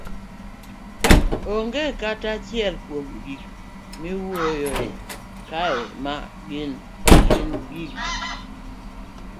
Onge kata achiel kuom gik miwuoyoe kae ma gin gik